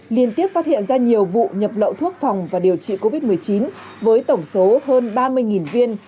liên tiếp phát hiện ra nhiều vụ nhập lậu thuốc phòng và điều trị covid một mươi chín với tổng số hơn ba mươi viên